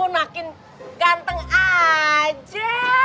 nakin ganteng aja